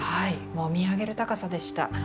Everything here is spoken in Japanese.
もう見上げる高さでした。